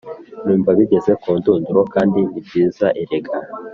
Numva bigeze kundunduro kandi nibyiza erega